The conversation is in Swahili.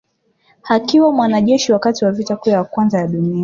Akiwa mwanajeshi wakati wa vita kuu ya kwanza ya dunia